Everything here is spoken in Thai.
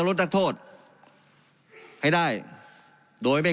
การปรับปรุงทางพื้นฐานสนามบิน